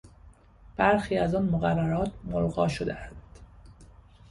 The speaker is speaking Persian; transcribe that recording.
برخی از آن مقررات ملغی شدهاند.